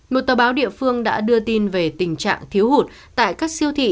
một tờ báo địa phương đã đưa tin về tình trạng thiếu hụt tại các siêu thị